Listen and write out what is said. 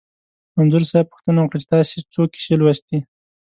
انځور صاحب پوښتنه وکړه چې تاسې څو کیسې لوستي.